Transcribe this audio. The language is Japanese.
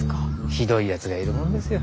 ひどいヤツがいるもんですよ。